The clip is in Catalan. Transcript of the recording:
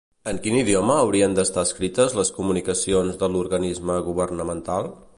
En quin idioma haurien d'estar escrites les comunicacions de l'organisme governamental?